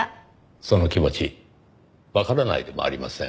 その気持ちわからないでもありません。